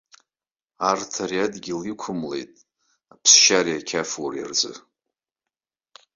Урҭ ари адгьыл иқәымлеит аԥсшьареи ақьафуреи рзы.